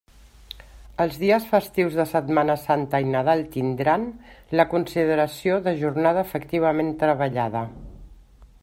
Els dies festius de Setmana Santa i Nadal tindran, la consideració de jornada efectivament treballada.